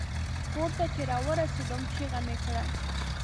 کور ته چې را ورسیدم چیغه مې کړه.